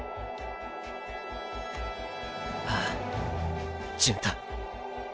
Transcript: ああ純太！！